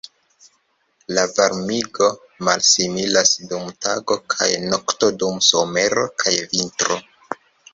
La varmigo malsimilas dum tago kaj nokto, dum somero kaj vintro.